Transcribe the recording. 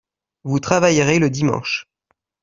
Vous travaillerez le dimanche